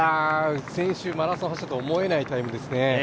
先週マラソンしたと思えないタイムですね。